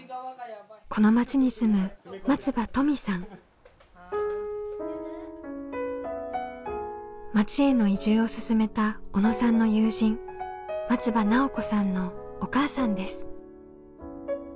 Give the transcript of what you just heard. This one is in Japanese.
この町に住む町への移住を勧めた小野さんの友人松場奈緒子さんのお母さんです。